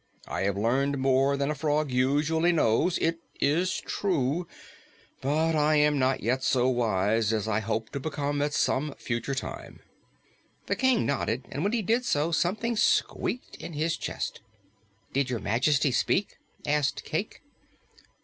I have learned more than a frog usually knows, it is true, but I am not yet so wise as I hope to become at some future time." The King nodded, and when he did so, something squeaked in his chest. "Did Your Majesty speak?" asked Cayke.